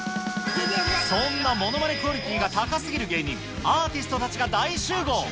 そんなものまねクオリティーが高すぎる芸人、アーティストたちが大集合。